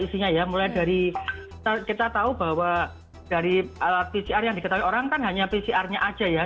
isinya ya mulai dari kita tahu bahwa dari alat pcr yang diketahui orang kan hanya pcr nya aja ya